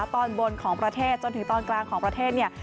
ตอนบนของประเทศจนถึงตอนกลางของประเทศเนี่ย